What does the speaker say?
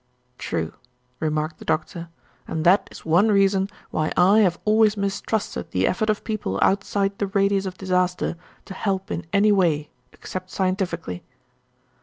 "True," remarked the Doctor, "and that is one reason why I have always mistrusted the effort of people outside the radius of disaster to help in anyway, except scientifically."